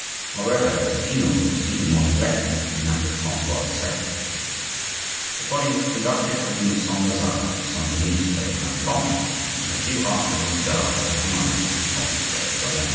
Moreover, his funeral was even more neglected than that of Francois II. The body was conducted from Saint Lazare to Saint Denis by Brantome and a few archers of the guard under command of the Comte de Solern.